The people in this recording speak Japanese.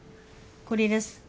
これです。